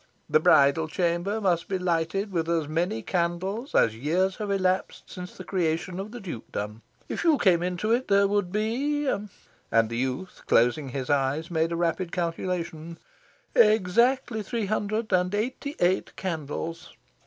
The bridal chamber must be lighted with as many candles as years have elapsed since the creation of the Dukedom. If you came into it, there would be" and the youth, closing his eyes, made a rapid calculation "exactly three hundred and eighty eight candles.